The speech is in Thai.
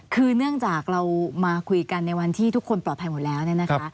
คือเนื่องจากเรามาคุยกันในวันที่ทุกคนปลอดภัยหมดแล้วเนี่ยนะคะ